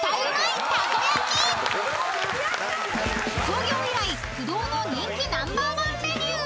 ［創業以来不動の人気ナンバーワンメニュー］